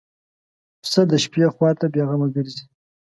پسه د شپې خوا ته بېغمه ګرځي.